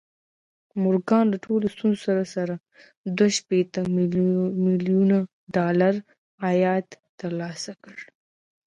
مورګان له ټولو ستونزو سره سره دوه شپېته ميليونه ډالر عايد ترلاسه کړ.